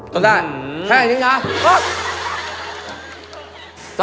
สักจับแค่นี้จ้ะโอ๊ะ